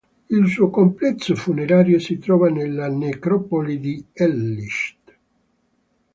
Il suo complesso funerario si trova nella necropoli di el-Lisht.